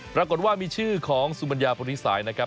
ปรากฏว่ามีชื่อของสุมัญญาผลิติศาสตร์นะครับ